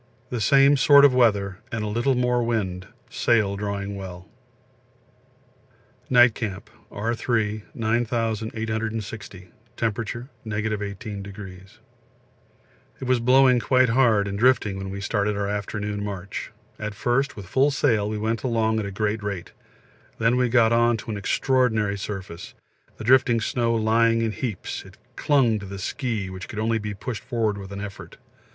The same sort of weather and a little more wind, sail drawing well. Night Camp R. 3. 9860. Temp. 18°. It was blowing quite hard and drifting when we started our afternoon march. At first with full sail we went along at a great rate; then we got on to an extraordinary surface, the drifting snow lying in heaps; it clung to the ski, which could only be pushed forward with an effort.